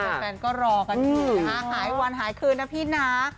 แฟนก็รอกันอยู่นะคะหายวันหายคืนนะพี่นะ